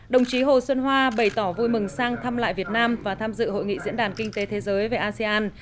đồng chí hồ xuân hoa bày tỏ vui mừng sang thăm lại việt nam và tham dự hội nghị diễn đàn kinh tế thế giới về asean